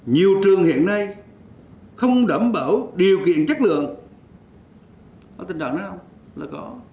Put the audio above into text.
nhiều trường hiện nay không đảm bảo điều kiện chất lượng